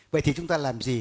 vậy thì chúng ta làm gì